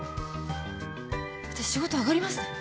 私仕事上がりますね。